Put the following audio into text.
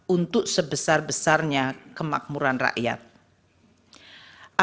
untuk sebesar besarnya kemakmuran rakyat